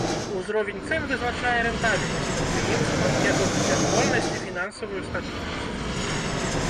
Узровень цэн вызначае рэнтабельнасць прадпрыемства, яго жыццяздольнасць і фінансавую стабільнасць.